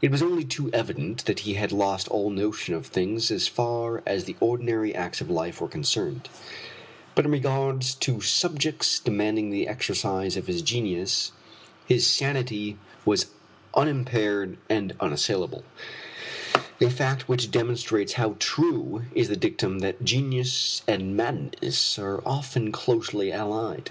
It was only too evident that he had lost all notion of things as far as the ordinary acts of life were concerned; but in regard to subjects demanding the exercise of his genius, his sanity was unimpaired and unassailable a fact which demonstrates how true is the dictum that genius and madness are often closely allied!